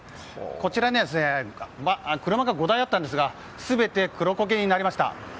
こちらには車が５台あったんですが全て黒焦げになりました。